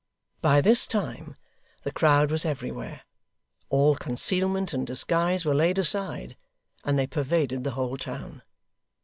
By this time, the crowd was everywhere; all concealment and disguise were laid aside, and they pervaded the whole town.